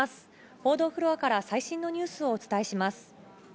報道フロアから最新のニュースをお伝えします。